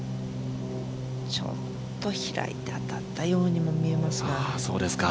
ちょっと開いて当たったようにも見えますが。